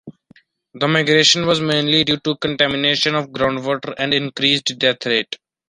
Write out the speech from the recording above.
The migration was mainly due to contamination of groundwater and increased death rate.